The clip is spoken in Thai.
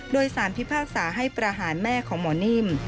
โดยสารพิพากษาให้ประหารแม่ของหมอนิ่ม